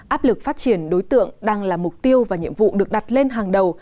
áp lực phát triển đối tượng đang là mục tiêu và nhiệm vụ được đặt lên hàng đầu